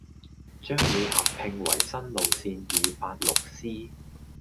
將會合併為新路線二八六 C，